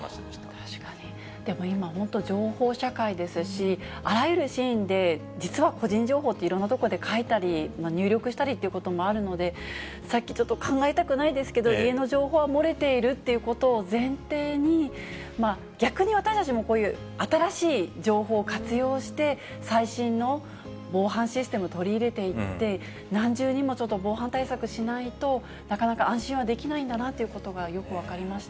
確かに、でも今、本当に情報社会ですし、あらゆるシーンで実は個人情報って、いろんな所で書いたり、入力したりということもあるので、さっき、ちょっと考えたくないですけど、家の情報は漏れているっていうことを前提に、逆に私たちもこういう新しい情報を活用して、最新の防犯システム、取り入れていって、何重にも防犯対策しないと、なかなか安心はできないんだなということがよく分かりました。